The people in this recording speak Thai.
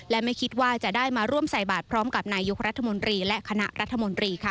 และไม่คิดว่าจะได้มาร่วมใส่บาทพร้อมกับนายกรัฐมนตรีและคณะรัฐมนตรีค่ะ